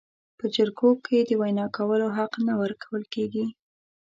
په جرګو کې د وینا کولو حق نه ورکول کیږي.